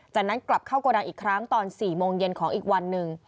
จากนั้นกลับเข้าโกดังอีกครั้งตอน๔โมงเย็นของอีกวันหนึ่ง